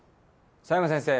佐山先生